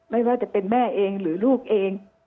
ไม่ว่าจะเป็นแม่เองหรือลูกเอง